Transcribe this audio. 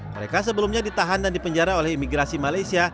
mereka sebelumnya ditahan dan dipenjara oleh imigrasi malaysia